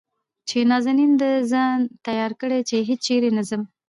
چې نازنين د ځان تيار کړي زه هېچېرې نه ځم .